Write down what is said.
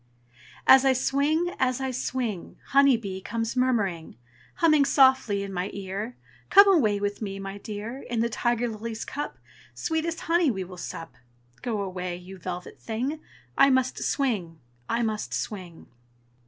As I swing, as I swing, Honey bee comes murmuring, Humming softly in my ear, "Come away with me, my dear! In the tiger lily's cup Sweetest honey we will sup." Go away, you velvet thing! I must swing! I must swing!